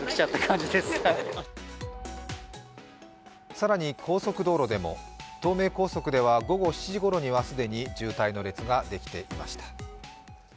更に高速道路でも東名高速では午後７時ごろには既に渋滞の列ができていました。